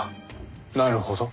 なるほど。